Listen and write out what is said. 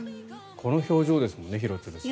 この表情ですもんね廣津留さん。